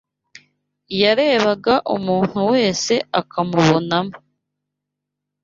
Yarebaga umuntu wese akamubonamo